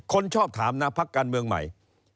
คนชอบถามนะพักการเมืองใหม่